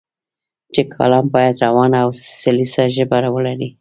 چې کالم باید روانه او سلیسه ژبه ولري.